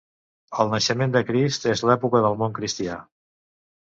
El naixement de Crist és l'època del món cristià.